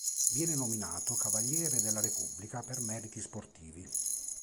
Viene nominato Cavaliere della Repubblica per meriti sportivi.